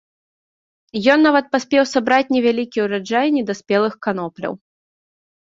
Ён нават паспеў сабраць невялікі ўраджай недаспелых канопляў.